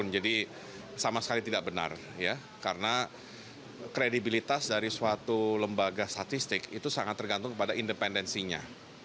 jadi sama sekali tidak benar karena kredibilitas dari suatu lembaga statistik itu sangat tergantung pada independensinya